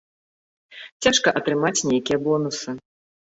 Цяжка атрымаць нейкія бонусы.